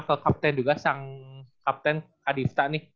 ke captain juga sang captain adista nih